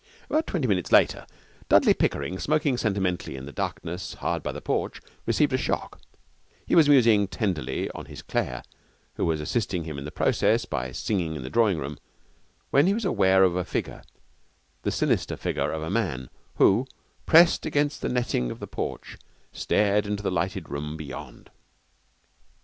About twenty minutes later Dudley Pickering, smoking sentimentally in the darkness hard by the porch, received a shock. He was musing tenderly on his Claire, who was assisting him in the process by singing in the drawing room, when he was aware of a figure, the sinister figure of a man who, pressed against the netting of the porch, stared into the lighted room beyond.